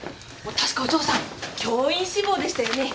確かお嬢さん教員志望でしたよね。